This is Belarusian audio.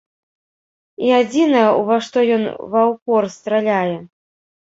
І адзінае, у ва што ён ва ўпор страляе.